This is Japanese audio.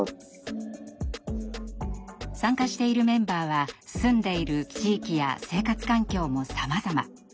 参加しているメンバーは住んでいる地域や生活環境もさまざま。